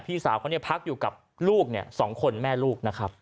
พี่สาวเขาพักอยู่กับลูก๒คนแม่ลูกนะครับ